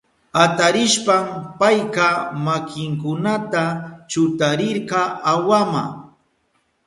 Atarishpan payka makinkunata chutarirka awama.